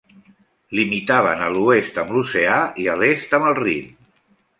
Limitaven a l'oest amb l'oceà i a l'est amb el Rin.